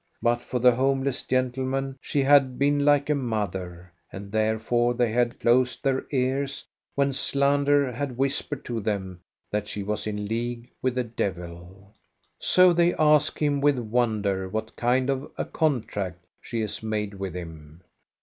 But for the homeless gentlemen she had been like a mother, and therefore they had closed their ears when slander had whispered to them that she was in league with the devil. So they ask him with wonder what kind of a con tract she has made with him.